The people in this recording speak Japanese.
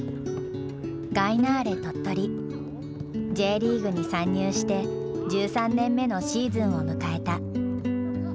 Ｊリーグに参入して１３年目のシーズンを迎えた。